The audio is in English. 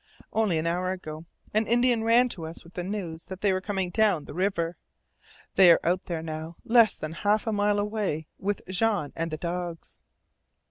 Only an hour ago an Indian ran to us with the news that they were coming down the river. They are out there now less than half a mile away with Jean and the dogs!"